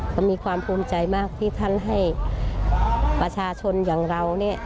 ก็มีความภูมิใจมากที่ท่านให้ประชาชนอย่างเราเนี่ย